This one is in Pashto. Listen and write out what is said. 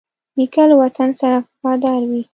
نیکه له وطن سره وفادار وي.